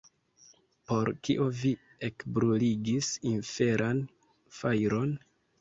Por kio vi ekbruligis inferan fajron?